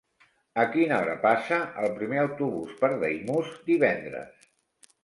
A quina hora passa el primer autobús per Daimús divendres?